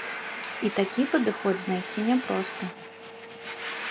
І такі падыход знайсці няпроста.